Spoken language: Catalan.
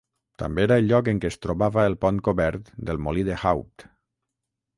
També era el lloc en què es trobava el Pont Cobert del Molí de Haupt.